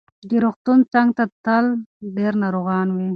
د روغتون څنګ ته تل ډېر ناروغان وي.